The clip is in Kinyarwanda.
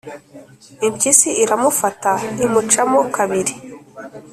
impyisi iramufata imucamo kabiri,